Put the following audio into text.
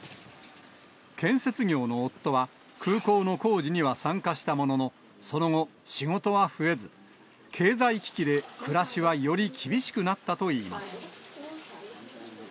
建設業の夫は、空港の工事には参加したものの、その後、仕事は増えず、経済危機で暮らしはより厳しくなったといいます。